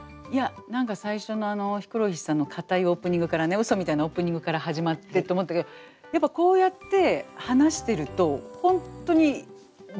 何か最初のあのヒコロヒーさんの硬いオープニングからねうそみたいなオープニングから始まってと思ったけどやっぱこうやって話してると本当に雑談に近くなってくというか。